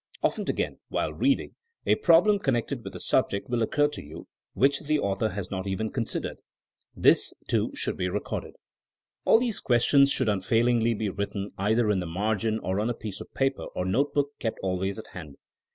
Often again, while reading, a prob lem coimected with the subject will occur to you which the author has not even considered. This too should be recorded. All these questions should unfailingly be writ ten, either in the margin or on a piece of paper or notebook kept always at hand.